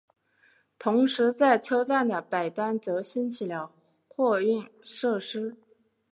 同时在车站的北端则兴起了货运设施。